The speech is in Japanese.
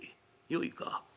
よいか。